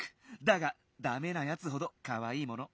だがだめなやつほどかわいいもの。